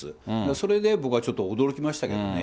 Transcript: それで僕はちょっと驚きましたけどね。